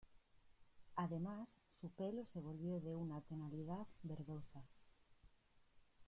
Además su pelo se volvió de una tonalidad verdosa.